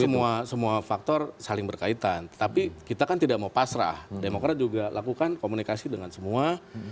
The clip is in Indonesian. semua faktor saling berkaitan tapi kita kan tidak mau pasrah demokrat juga lakukan komunikasi dengan semua